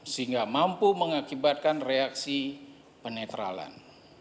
sehingga mampu mengakibatkan reaksi penetralan